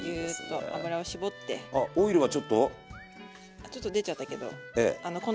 あちょっと出ちゃったけどあの